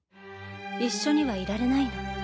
一緒にはいられないの。